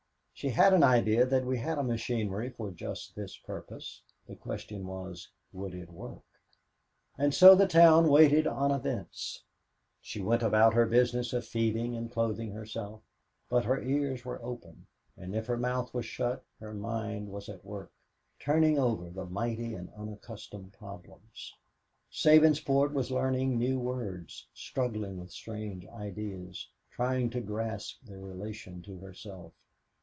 She had an idea that we had a machinery for just this purpose. The question was, Would it work? And so the town waited on events. She went about her business of feeding and clothing herself, but her ears were open, and if her mouth was shut her mind was at work, turning over the mighty and unaccustomed problems. Sabinsport was learning new words, struggling with strange ideas, trying to grasp their relation to herself.